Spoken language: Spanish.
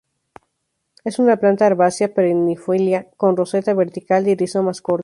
Es una planta herbácea perennifolia con roseta vertical y rizomas cortos.